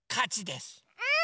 うん！